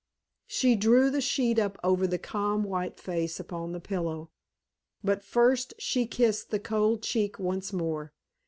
She drew the sheet up over the calm, white face upon the pillow; but first she kissed the cold cheek once more.